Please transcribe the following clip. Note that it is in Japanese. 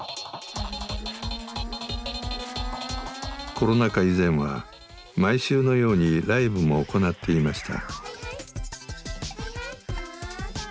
コロナ禍以前は毎週のようにライブも行っていました。